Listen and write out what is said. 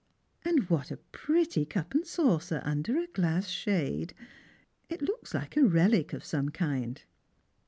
" And what a pretty cup and saucer, under a glass shade ! It looks like a reHc of some kind."